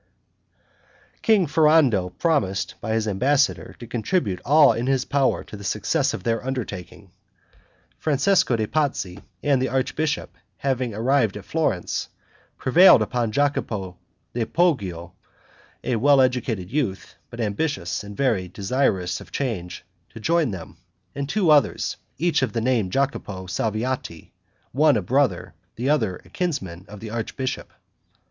King Ferrando promised, by his ambassador, to contribute all in his power to the success of their undertaking. Francesco de' Pazzi and the archbishop having arrived at Florence, prevailed upon Jacopo di Poggio, a well educated youth, but ambitious and very desirous of change, to join them, and two others, each of the name of Jacopo Salviati, one a brother, the other a kinsman, of the archbishop.